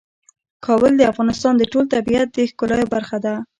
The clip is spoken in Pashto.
کابل د افغانستان د ټول طبیعت د ښکلا یوه برخه ده.